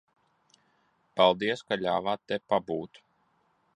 Paldies, ka ļāvāt te pabūt.